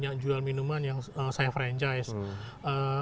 saya punya jual minuman yang saya franchise